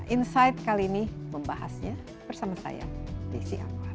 insight kali ini membahasnya bersama saya desi anwar